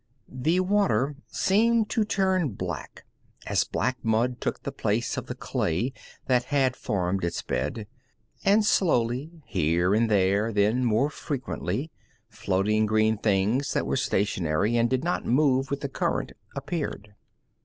The water seemed to turn dark, as black mud took the place of the clay that had formed its bed, and slowly, here and there, then more frequently, floating green things that were stationary, and did not move with the current, appeared.